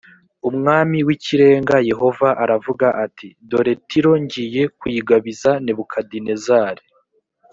umwami w ikirenga yehova aravuga ati dore tiro ngiye kuyigabiza nebukadinezari